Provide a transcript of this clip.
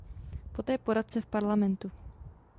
Poté poradce v Parlamentu.